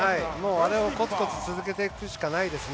あれをこつこつ続けていくしかないですね。